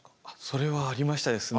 それはありましたですね。